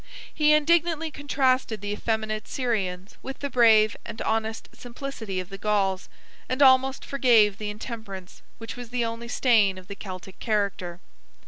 He indignantly contrasted the effeminate Syrians with the brave and honest simplicity of the Gauls, and almost forgave the intemperance, which was the only stain of the Celtic character.